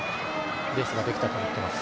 レースができたと思っています。